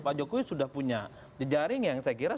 pak jokowi sudah punya jejaring yang saya kira